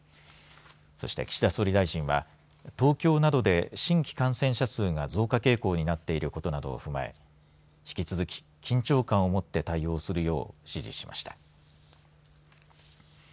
そして岸田総理大臣は東京などで新規感染者数が増加傾向になっていることなどを踏まえ引き続き、緊張感をもって対応するよう指示しました。